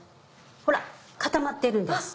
ほら固まっているんです。